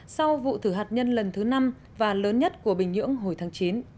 sau vụ thử hạt nhân lần thứ năm và lớn nhất của bình nhưỡng hồi tháng chín